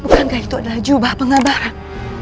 bukankah itu adalah jubah pengabaran